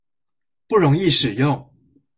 不容易使用